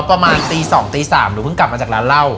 ประมาณตี๒ตี๓หนูเพิ่งกลับมาจากร้านเหล้า